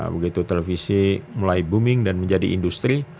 begitu televisi mulai booming dan menjadi industri